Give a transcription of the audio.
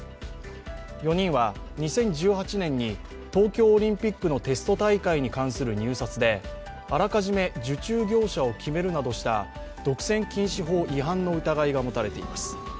４人は２０１８年に東京オリンピックのテスト大会に関する入札であらかじめ受注業者を決めるなどした独占禁止法違反の疑いが持たれています。